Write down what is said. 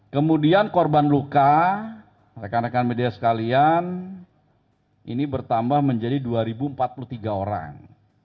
kemudian korban luka rekan rekan media sekalian ini bertambah menjadi dua empat puluh tiga orang